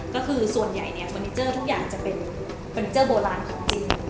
ก็คือส่วนใหญ่เนี่ยเฟอร์นิเจอร์ทุกอย่างจะเป็นเฟอร์นิเจอร์โบราณของจริง